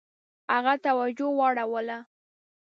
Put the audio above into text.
هغه توجه واړوله.